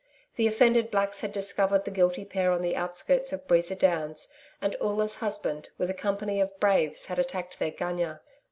The offended blacks had discovered the guilty pair on the outskirts of Breeza Downs, and Oola's husband, with a company of braves, had attacked their gunya.